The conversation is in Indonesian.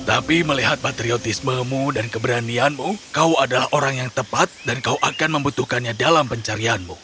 tapi melihat patriotismemu dan keberanianmu kau adalah orang yang tepat dan kau akan membutuhkannya dalam pencarianmu